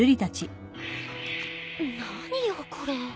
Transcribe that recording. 何よこれ。